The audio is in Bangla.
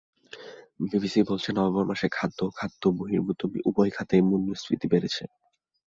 বিবিএস বলছে, নভেম্বর মাসে খাদ্য ও খাদ্যবহির্ভূত উভয় খাতেই মূল্যস্ফীতি বেড়েছে।